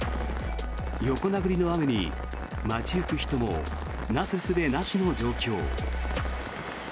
横殴りの雨に、街行く人もなすすべなしの状況。